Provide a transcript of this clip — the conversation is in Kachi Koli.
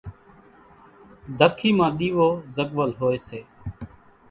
ڌکي مان ۮيوو زڳول ھوئي سي۔